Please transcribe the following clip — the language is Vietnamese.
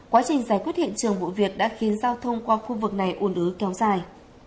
quá trình giải quyết hiện trường vụ việc đã khiến giao thông qua khu vực này ủn ứ kéo dài